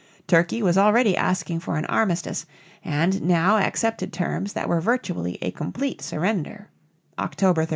Turkey was already asking for an armistice, and now accepted terms that were virtually a complete surrender (October 31).